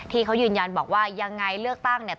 ที่เขายืนยันบอกว่ายังไงเลือกตั้งเนี่ย